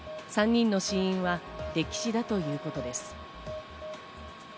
３人の死因は溺死だということです。